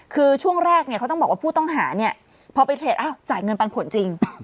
คือช่วงแรกเนี่ยเขาต้องบอกว่าผู้ต้องหาเนี่ยพอไปเทรดอ้าวจ่ายเงินปันผลจริง